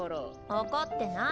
怒ってない。